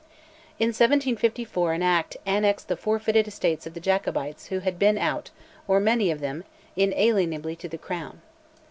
In 1754 an Act "annexed the forfeited estates of the Jacobites who had been out (or many of them) inalienably to the Crown."